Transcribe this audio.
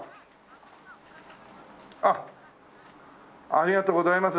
ありがとうございます。